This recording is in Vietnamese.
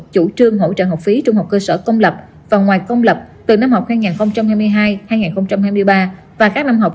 chủ trương hỗ trợ học phí trung học cơ sở công lập và ngoài công lập từ năm học hai nghìn hai mươi hai hai nghìn hai mươi ba